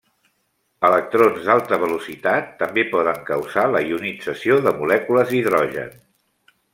Electrons d'alta velocitat també poden causar la ionització de molècules d'hidrogen.